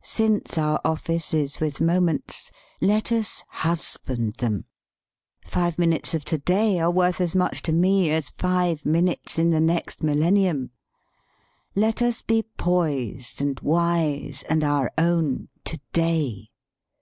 Since our office is with moments, let us husband them. Five minutes of to day are worth as much to me as five minutes in the next millennium. Let us be poised, and wise, and our own, to day.